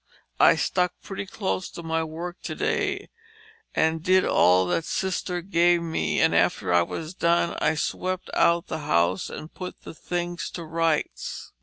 I stuck pretty close to my work to day and did all that Sister gave me and after I was done I swept out the house and put the things to rights.